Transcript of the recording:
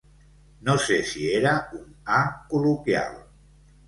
No sé si era un ‘ha’ col·loquial.